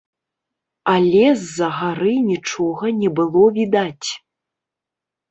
Але з-за гары нічога не было відаць.